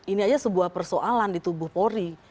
ini aja sebuah persoalan di tubuh polri